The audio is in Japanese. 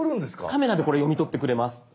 カメラでこれ読み取ってくれます。